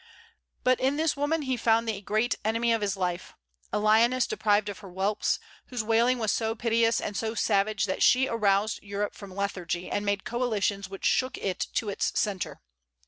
But in this woman he found the great enemy of his life, a lioness deprived of her whelps, whose wailing was so piteous and so savage that she aroused Europe from lethargy, and made coalitions which shook it to its centre.